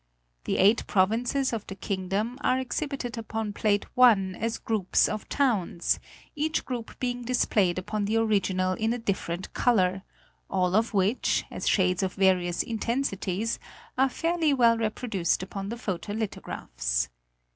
The eight provinces of the kingdom 236 National Geographic Magazine. are exhibited upon Plate I as groups of towns, each group being displayed upon the original in a different color, all of which, as shades of various intensities, are fairly well reproduced upon the photo hthographs.